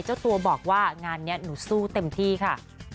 เจ้าตัวบอกว่างานนี้หนูสู้เต็มที่ค่ะ